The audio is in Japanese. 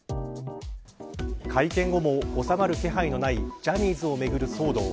会見後も収まる気配のないジャニーズをめぐる騒動。